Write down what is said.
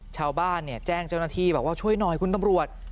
ชาวบ้านแจ้งเจ้าหน้าที่บอกว่าช่วยหน่อยคุณตำรวจ